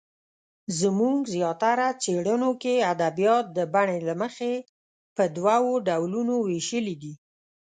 زموږ زیاتره څېړنو کې ادبیات د بڼې له مخې په دوو ډولونو وېشلې دي.